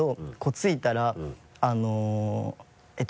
着いたらあのえっと